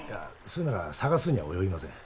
それなら捜すには及びません。